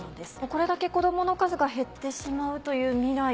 これだけ子供の数が減ってしまうという未来